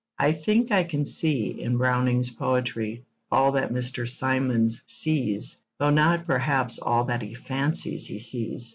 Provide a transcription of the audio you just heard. I think I can see, in Browning's poetry, all that Mr. Symons sees, though not perhaps all that he fancies he sees.